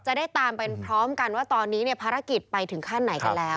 จะได้ตามไปพร้อมกันว่าตอนนี้เนี่ยภารกิจไปถึงขั้นไหนกันแล้ว